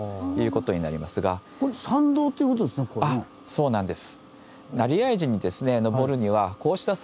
そうなんです。